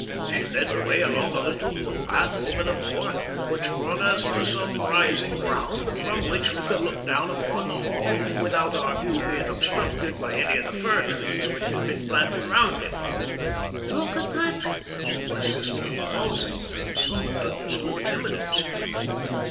She led the way along a little footpath over the moor, which brought us to some rising ground, from which we could look down upon the Hall without our view being obstructed by any of the fir trees which had been planted round it. "Look at that!" said my sister, pausing at the summit of this little eminence.